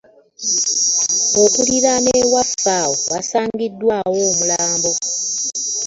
Okuliraana ewaffe awo waasangiddwaawo omulambo.